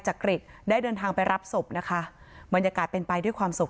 ได้เดินทางไปรับศพนะคะบรรยากาศเป็นไปด้วยความสุข